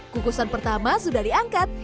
kukusan pertama sudah diangkat